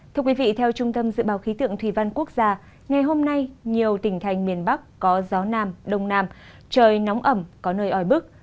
thưa quý vị theo trung tâm dự báo khí tượng thủy văn quốc gia ngày hôm nay nhiều tỉnh thành miền bắc có gió nam đông nam trời nóng ẩm có nơi ói bức